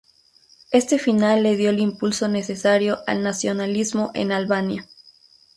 Este final le dio el impulso necesario al nacionalismo en Albania.